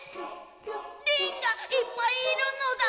リンがいっぱいいるのだ？